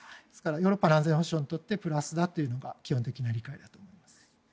ですからヨーロッパの安全保障にとってプラスだというのが基本的な理解だと思います。